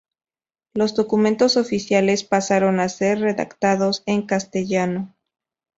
Los documentos oficiales pasaron a ser redactados en castellano.